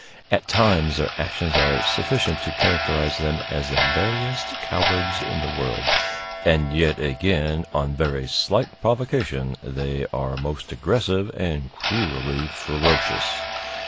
At times their actions are sufficient to characterize them as the veriest cowards in the world, and yet again, on very slight provocation, they are most aggressive and cruelly ferocious.